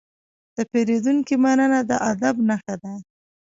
د پیرودونکي مننه د ادب نښه ده.